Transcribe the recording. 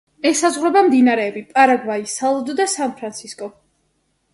ესაზღვრება მდინარეები: პარაგვაი, სალადო და სან-ფრანსისკო.